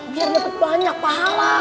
biar dapet banyak pahala